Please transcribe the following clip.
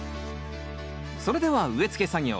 それでは植え付け作業。